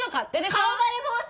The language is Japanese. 顔バレ防止？